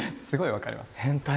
分かります。